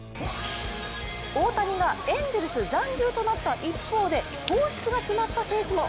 大谷がエンゼルス残留となった一方で放出が決まった選手も。